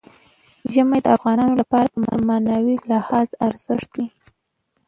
ژمی د افغانانو لپاره په معنوي لحاظ ارزښت لري.